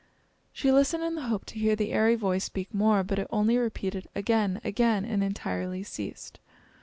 She listened in the hope to hear the airy voice speak more; but it only repeated, "Again! again!" and entirely ceased.